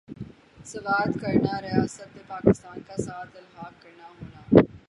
سوات کرنا ریاست نے پاکستان کا ساتھ الحاق کرنا ہونا